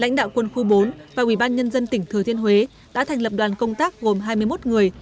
lãnh đạo quân khu bốn và ủy ban nhân dân tỉnh thừa thiên huế đã thành lập đoàn công tác gồm hai mươi một người